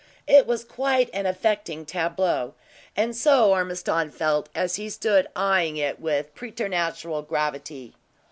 It was quite an affecting tableau. And so Ormiston felt, as he stood eyeing it with preternatural gravity.